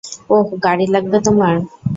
ওহ, গাড়ি লাগবে তোমার?